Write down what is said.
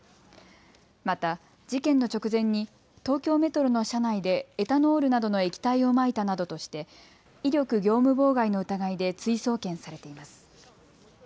また事件の直前に東京メトロの車内でエタノールなどの液体をまいたなどとして威力業務妨害の疑いで追送検されています。